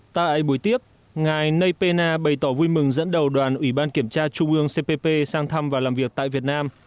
tại buổi tiếp ngài ney pena bày tỏ vui mừng dẫn đầu đoàn ủy ban kiểm tra trung ương cpp sang thăm và làm việc tại việt nam